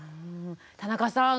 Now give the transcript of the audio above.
田中さん